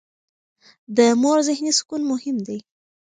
د مور ذهني سکون مهم دی.